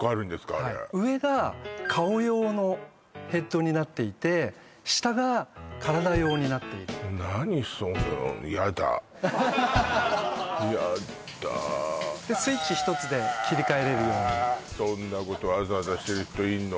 あれ上が顔用のヘッドになっていて下が体用になっている何そのヤダアハハハッヤッダースイッチ一つで切り替えれるようにそんなことわざわざする人いんの？